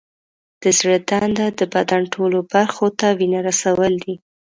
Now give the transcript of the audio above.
د زړه دنده د بدن ټولو برخو ته وینه رسول دي.